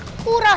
ini kita buit